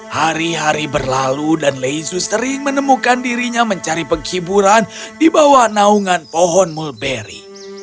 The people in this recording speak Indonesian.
hari hari berlalu dan lezu sering menemukan dirinya mencari penghiburan di bawah naungan pohon mulberry